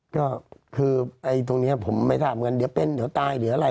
ก็คือตรงนี้ผมไม่ทราบเงินเดี๋ยวเป็นเดี๋ยวตายเดี๋ยวอะไร